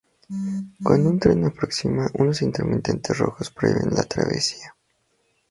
Cuando un tren aproxima, unos intermitentes rojos prohíben la travesía.